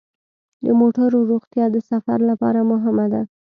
د موټرو روغتیا د سفر لپاره مهمه ده.